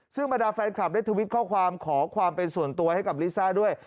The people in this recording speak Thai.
ซึ่งบรรดาแฟนคลับได้ทวิตข้อความขอความเป็นส่วนตัวให้กับลิซ่าด้วย